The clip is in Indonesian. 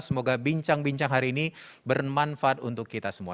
semoga bincang bincang hari ini bermanfaat untuk kita semua